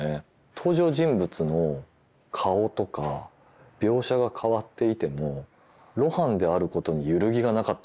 登場人物の顔とか描写が変わっていても「露伴」であることに揺るぎがなかったりするんですよ。